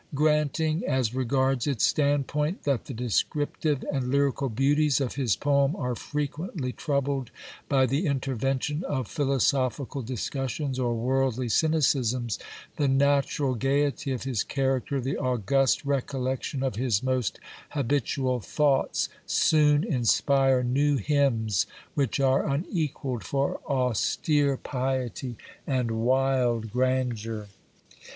"Granting, as regards its standpoint, that the descriptive and lyrical beauties of his poem are frequently troubled by the intervention of philosophical discussions or worldly cynicisms, the natural gaiety of his character, the august recollection of his most habitual thoughts, soon inspire new hymns which are unequalled for austere piety and wild grandeur."